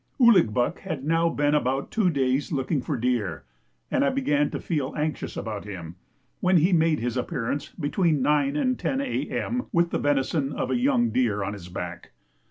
Ouligbuck had now been about two days looking for deer, and I began to feel anxious about him, when he made his appearance between 9 and 10 A.M. with the venison of a young deer on his back.